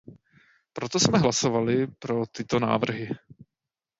Proto jsme hlasovali pro tyto návrhy.